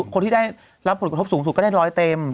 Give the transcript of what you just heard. คนที่ได้รับผลกระทบสูงสุดก็ได้ร้อยเต็ม